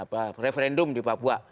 apa referendum di papua